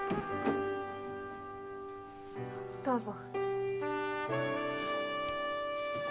どうぞ。